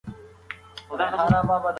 ښوونکي وویل چې زیار د بریا راز دی.